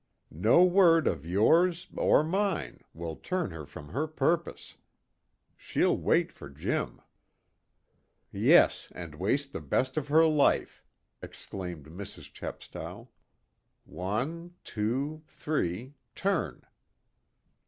No word of yours, or mine, will turn her from her purpose. She'll wait for Jim." "Yes, and waste the best of her life," exclaimed Mrs. Chepstow. "One, two, three turn."